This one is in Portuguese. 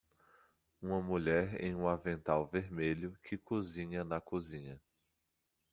Uma mulher em um avental vermelho que cozinha na cozinha.